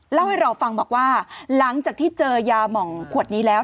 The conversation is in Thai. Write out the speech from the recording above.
เล่าให้เราฟังบอกว่าหลังจากที่เจอยาหม่องขวดนี้แล้ว